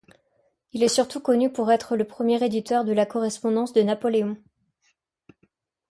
Il est surtout connu pour être le premier éditeur de la correspondance de Napoléon.